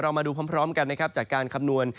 เรามาดูพร้อมกันจากการคำนวณ